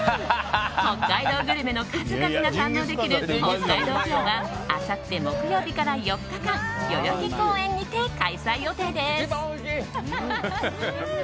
北海道グルメの数々が堪能できる、北海道フェアはあさって木曜日から４日間代々木公園にて開催予定です。